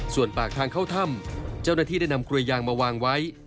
ส่วนปากทางเข้าถ้ำเจ้าหน้าที่ได้นำกลวยยางมาวางไว้